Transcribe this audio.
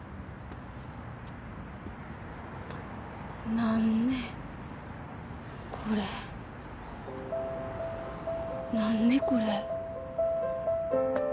何ねこれ何ねこれ？